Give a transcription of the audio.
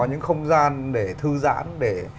những không gian để thư giãn để